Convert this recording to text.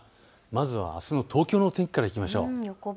まずはあすの東京の天気からいきましょう。